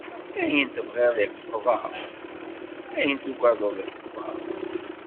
Ayen tebɣiḍ iqḍa, ayen tugadeḍ ixḍa!